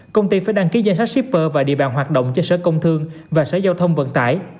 công ty phải đăng ký danh sách shipper và địa bàn hoạt động cho sở công thương và sở giao thông vận tải